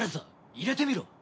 入れてみろ。